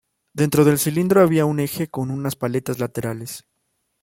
Dentro del cilindro había un eje con unas paletas laterales.